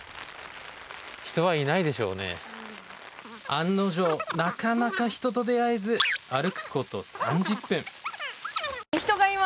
案の定なかなか人と出会えず歩くこと３０分。